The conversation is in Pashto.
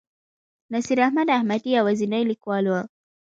نصیر احمد احمدي یوازینی لیکوال و.